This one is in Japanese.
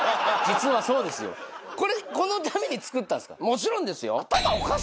もちろんですよ。